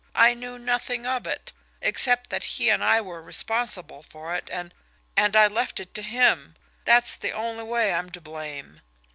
I knew nothing of it, except that he and I were responsible for it and and I left it to him that's the only way I'm to blame.